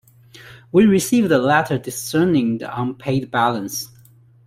We received a letter discerning the unpaid balance.